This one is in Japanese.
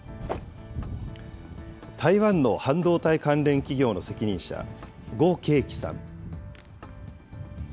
台湾の半導体関連企業の責任者、呉勁毅さん。